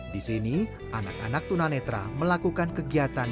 di sini anak anak tuna netra melakukan kegiatan